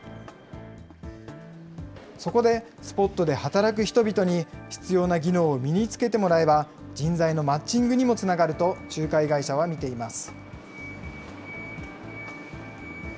そこで、スポットで働く人々に必要な技能を身につけてもらえば、人材のマッチングにもつながると仲介会社は見ています。